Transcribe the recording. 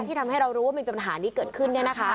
ที่ทำให้เรารู้ว่ามันเป็นปัญหานี้เกิดขึ้น